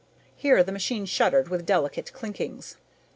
Here the machine shuddered with delicate clinkings.